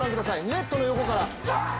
ネットの横から。